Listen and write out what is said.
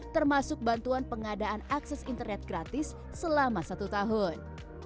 termasuk bantuan pengadaan akses internet gratis selama satu tahun